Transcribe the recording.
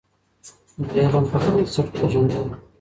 د علم پر بنسټ پیژندل.